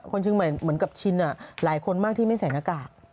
คนเชียงใหม่เหมือนกับชินหลายคนมากที่ไม่ใส่หน้ากาก